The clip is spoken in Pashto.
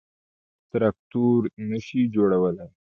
تراکتور نه شي جوړولای.